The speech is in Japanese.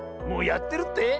もうやってるって？